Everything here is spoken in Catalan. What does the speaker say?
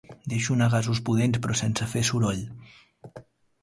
Deixo anar gasos pudents, però sense fer soroll.